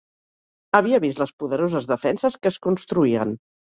Havia vist les poderoses defenses que es construïen